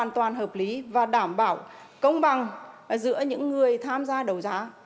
hoàn toàn hợp lý và đảm bảo công bằng giữa những người tham gia đầu giá